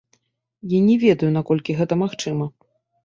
Я не ведаю, наколькі гэта магчыма.